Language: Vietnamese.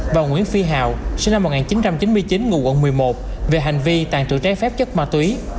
và nguyễn phi hào về hành vi tàn trữ trái phép chất ma túy